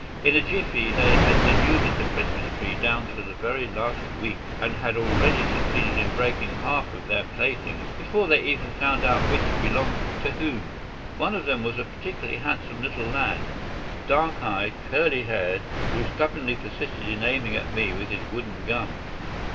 In a jiffy they had denuded the Christmas tree down to the very last sweet and had already succeeded in breaking half of their playthings before they even found out which belonged to whom. One of them was a particularly handsome little lad, dark eyed, curly haired, who stubbornly persisted in aiming at me with his wooden gun.